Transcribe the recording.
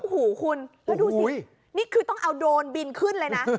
โอ้โหคุณแล้วดูสินี่คือต้องเอาโดรนบินขึ้นเลยนะ